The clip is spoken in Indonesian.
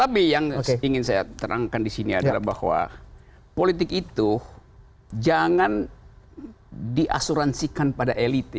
oke nggak ada soal tetapi yang ingin saya terangkan di sini adalah bahwa politik itu jangan diasuransikan pada elit